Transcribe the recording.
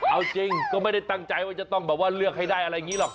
เอาจริงก็ไม่ได้ตั้งใจว่าจะต้องแบบว่าเลือกให้ได้อะไรอย่างนี้หรอก